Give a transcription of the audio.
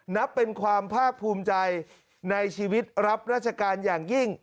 นับเป็นความภาคภูมิใจในชีวิตรับราชการอย่างยิ่ง